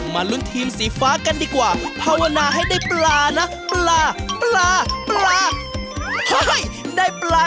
ลุ้นทีมสีฟ้ากันดีกว่าภาวนาให้ได้ปลานะปลาปลา